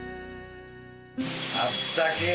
あったけえ！